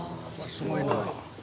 すごいな。